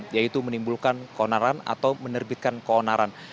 yaitu menimbulkan konaran atau menerbitkan konaran